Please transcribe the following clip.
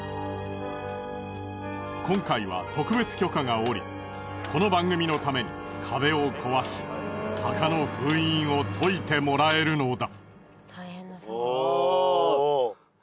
今回は特別許可が下りこの番組のために壁を壊し墓の封印を解いてもらえるのだ。